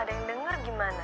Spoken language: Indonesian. ada yang denger gimana